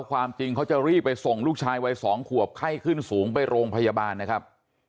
ความจริงเขาจะรีบไปส่งลูกชายวัย๒ขวบไข้ขึ้นสูงไปโรงพยาบาลนะครับ